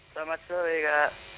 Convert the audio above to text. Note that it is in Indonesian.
selamat sore kak